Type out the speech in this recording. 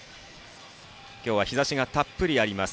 今日、日ざしがたっぷりあります